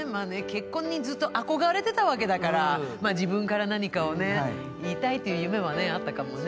結婚にずっと憧れてたわけだからまあ自分から何かをね言いたいって夢はねあったかもね。